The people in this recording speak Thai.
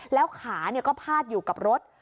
แล้วขาก็พาดอยู่กับรถ